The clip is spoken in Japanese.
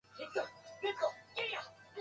足利尊氏